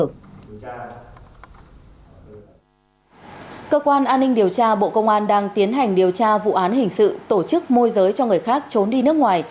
cơ quan an ninh điều tra bộ công an đang tiến hành điều tra vụ án hình sự tổ chức môi giới cho người khác trốn đi nước ngoài